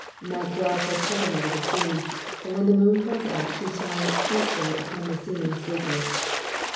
Night draws her curtain over the scene, and when the moon comes out, she shines peacefully upon the seeming sleepers.